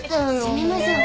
すみません。